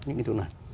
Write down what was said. những cái cơ hội này